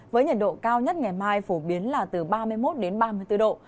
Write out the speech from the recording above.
với nhiệt độ cao nhất ngày mai phổ biến là từ ba mươi một đến ba mươi bốn độ